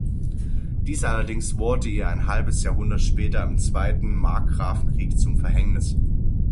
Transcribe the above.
Dies allerdings wurde ihr ein halbes Jahrhundert später im Zweiten Markgrafenkrieg zum Verhängnis.